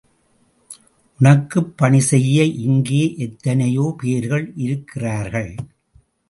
உனக்குப் பணி செய்ய இங்கே எத்தனையோ பேர்கள் இருக்கிறார்கள்.